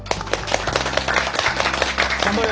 頑張れよ。